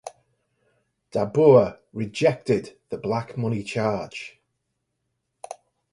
Dabur rejected the black money charge.